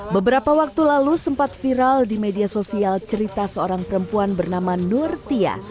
beberapa waktu lalu sempat viral di media sosial cerita seorang perempuan bernama nur tia